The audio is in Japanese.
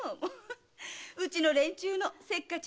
うちの連中のせっかち